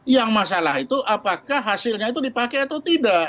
yang masalah itu apakah hasilnya itu dipakai atau tidak